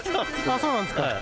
そうなんですか。